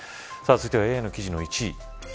続いてはＡＩの記事の１位。